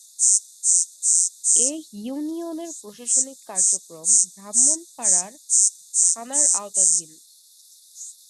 এ ইউনিয়নের প্রশাসনিক কার্যক্রম ব্রাহ্মণপাড়া থানার আওতাধীন।